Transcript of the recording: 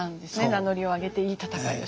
名乗りを上げていい戦いをした。